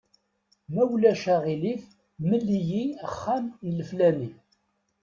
Ma ulac aɣilif, mel-iyi axxam n leflani.